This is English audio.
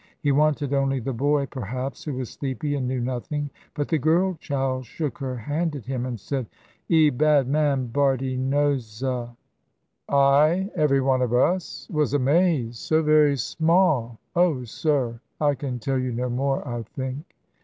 He wanted only the boy perhaps, who was sleepy and knew nothing. But the girl child shook her hand at him, and said, 'E bad man, Bardie knows 'a.' "I every one of us was amazed so very small Oh, sir, I can tell you no more, I think."